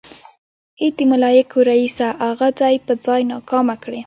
ای د ملايکو ريسه اغه ځای په ځای ناکامه کړې.